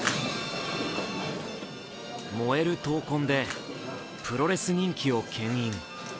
燃える闘魂でプロレス人気をけん引。